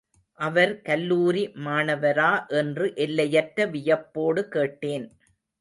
அவர் கல்லூரி மாணவரா என்று எல்லையற்ற வியப்போடு கேட்டேன்.